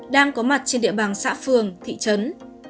đang có mặt trên địa bàn xã phường thị trấn